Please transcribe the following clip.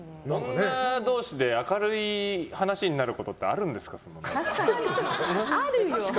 女同士で明るい話になることってあるんですか？